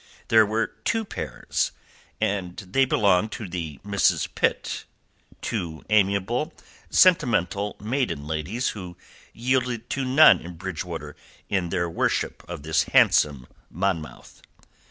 There were two pairs, and they belonged to the Misses Pitt, two amiable, sentimental maiden ladies who yielded to none in Bridgewater in their worship of the handsome Monmouth.